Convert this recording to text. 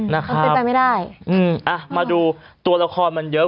นะครับมาดูตัวละครมันเยอะ